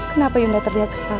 kenapa yunda terjaga salah sekali